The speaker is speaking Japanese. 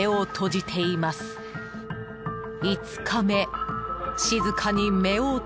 ［５日目］